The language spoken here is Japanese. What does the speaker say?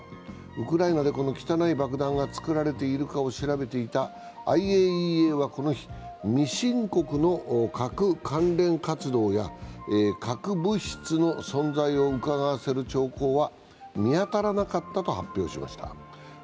ウクライナでこの汚い爆弾が作られているかを調べていたＩＡＥＡはこの日、未申告の核関連活動や核物質の存在をうかがわせる兆候は、見当たらなかったと発表しました。